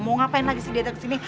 mau ngapain lagi sedia sedia kesini